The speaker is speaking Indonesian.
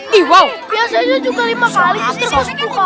mister kan sepuluh kali apa